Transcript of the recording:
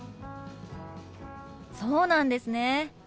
そうなんですね。